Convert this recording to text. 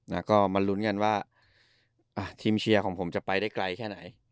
แล้วก็มาลุ้นกันว่าอ่ะทีมเชียร์ของผมจะไปได้ไกลแค่ไหน